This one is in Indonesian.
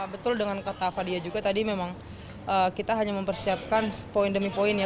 betul dengan kata fadia juga tadi memang kita hanya mempersiapkan poin demi poin ya